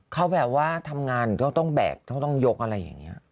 เขาแบบว่าทำงานเขาต้องแบกเขาต้องยกอะไรอย่างนี้